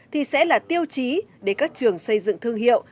thì sẽ là tiêu chí để các trường xây dựng thương hiệu